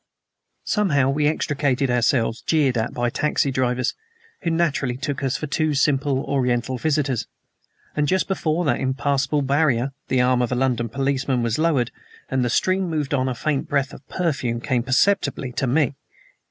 Somehow we extricated ourselves, jeered at by taxi drivers, who naturally took us for two simple Oriental visitors, and just before that impassable barrier the arm of a London policeman was lowered and the stream moved on a faint breath of perfume became perceptible to me.